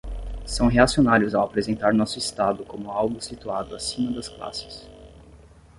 São reacionários ao apresentar nosso Estado como algo situado acima das classes